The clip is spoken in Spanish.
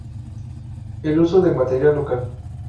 El uso de material local.